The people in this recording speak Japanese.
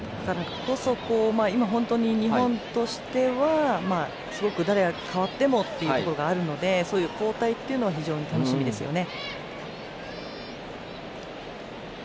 日本としては今はすごく誰が代わってもというところはあるのでそういう交代っていうのは非常に楽しみですよね。